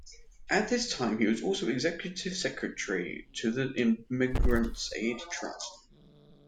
At this time he was also executive secretary to the Immigrants' Aid Trust.